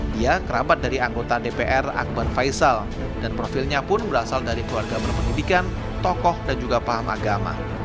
dia kerabat dari anggota dpr akbar faisal dan profilnya pun berasal dari keluarga berpendidikan tokoh dan juga paham agama